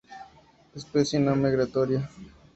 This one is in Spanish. Especie no migratoria.